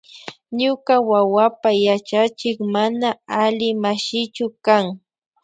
Ñuka wawapa yachachik mana alli mashichu kan.